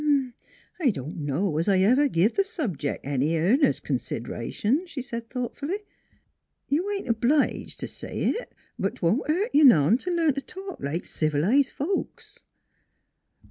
" I don' know as I ever give th' subjec' any earnest consid'ration," she said thoughtfully. " You ain't obliged t' say it : but 'twon't hurt you none t' learn t' talk like civilized folks."